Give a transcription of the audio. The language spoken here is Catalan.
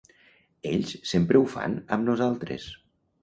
Ells sempre ho fan amb nosaltres.